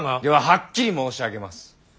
でははっきり申し上げます。